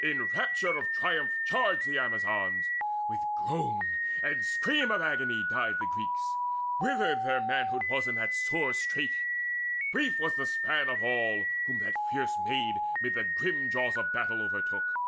In rapture of triumph charged the Amazons, With groan and scream of agony died the Greeks. Withered their manhood was in that sore strait; Brief was the span of all whom that fierce maid Mid the grim jaws of battle overtook.